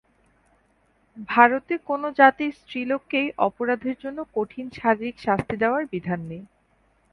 ভারতে কোন জাতির স্ত্রীলোককেই অপরাধের জন্য কঠিন শারীরিক শাস্তি দেওয়ার বিধান নাই।